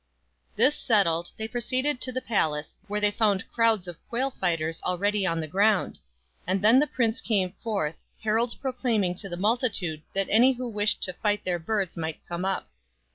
This settled, they proceeded to the palace where they found crowds of quail fighters already on the ground ; and then the prince came forth, heralds proclaiming to the multi tude that any who wished to fight their birds might come up.